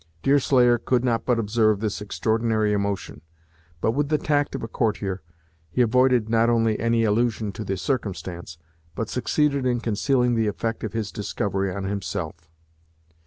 Deerslayer could not but observe this extraordinary emotion; but with the tact of a courtier, he avoided not only any allusion to the circumstance, but succeeded in concealing the effect of his discovery on himself.